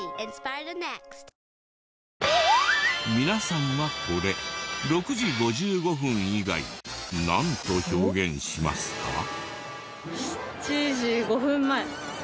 皆さんはこれ６時５５分以外なんと表現しますか？